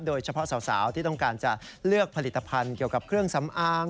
โดยเฉพาะสาวที่ต้องการจะเลือกผลิตภัณฑ์เกี่ยวกับเครื่องสำอาง